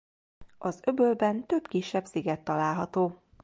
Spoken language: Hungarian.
Az öbölben több kisebb sziget található.